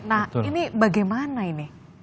nah ini bagaimana ini